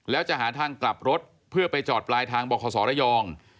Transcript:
แล้วจะหาทางกลับรถเพื่อไปจอดปลายทางบอกขอสอยอง